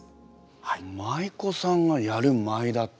舞妓さんがやる舞だって。